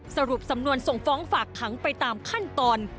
สรุปสำนวนส่งฟ้องฝากขังไปตามขั้นตอน